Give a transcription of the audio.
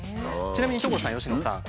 ちなみに所さん佳乃さん。